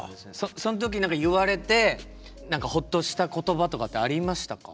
その時何か言われてホッとした言葉とかってありましたか？